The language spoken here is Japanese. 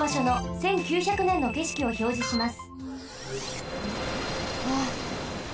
１９６５ねんのけしきをひょうじします。